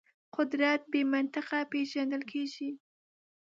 قدرت بې منطقه پېژندل کېږي.